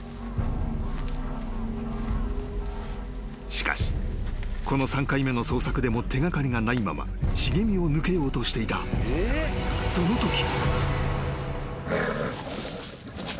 ［しかしこの３回目の捜索でも手掛かりがないまま茂みを抜けようとしていたそのとき］